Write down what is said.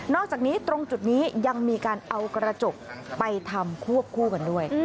อกจากนี้ตรงจุดนี้ยังมีการเอากระจกไปทำควบคู่กันด้วย